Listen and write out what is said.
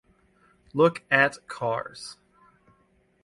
Look at cars.